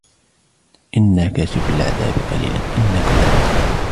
إنا كاشفو العذاب قليلا إنكم عائدون